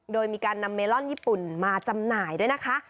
โดยมีการนำเมลอนญี่ปุ่นมาจำหน่ายด้วยนะคะ